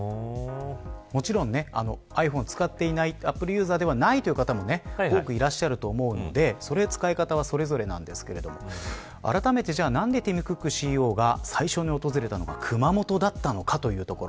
もちろんｉＰｈｏｎｅを使っていないアップルユーザーではないという方も多くいらっしゃると思うので使い方はそれぞれなんですけれどもあらためて、じゃあ何でティム・クックＣＥＯが最初に訪れたのが熊本だったのかというところ。